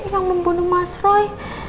yang membunuh mas roy